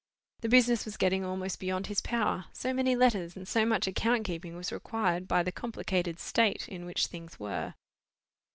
The business was getting almost beyond his power, so many letters and so much account keeping was required by the complicated state in which things were.